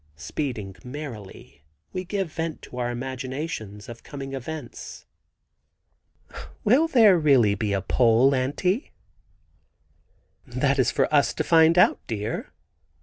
Speeding merrily, we give vent to our imaginations of coming events. "Will there really be a pole, Auntie?" "That is for us to find out, dear.